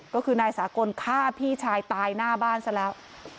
ก็คือนายสากลฆ่าพี่ชายตายหน้าบ้านซะแล้ว